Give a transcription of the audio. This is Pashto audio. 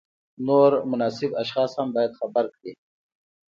نور مناسب اشخاص هم باید خبر کړي.